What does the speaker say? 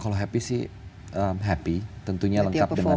kalau happy sih happy tentunya lengkap dengan